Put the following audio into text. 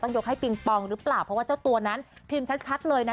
ยกให้ปิงปองหรือเปล่าเพราะว่าเจ้าตัวนั้นพิมพ์ชัดเลยนะ